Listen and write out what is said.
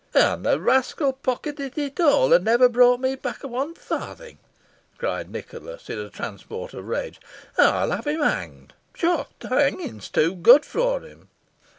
"And the rascal pocketed it all, and never brought me back one farthing," cried Nicholas, in a transport of rage. "I'll have him hanged pshaw! hanging's too good for him.